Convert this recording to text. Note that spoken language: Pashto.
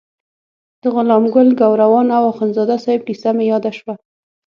د غلام ګل ګوروان او اخندزاده صاحب کیسه مې یاده شوه.